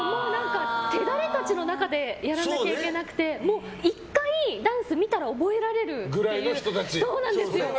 手だれたちの中でやらなきゃいけなくて１回ダンスを見たら覚えられるぐらいの人たちで。